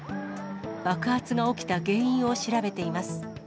爆発が起きた原因を調べています。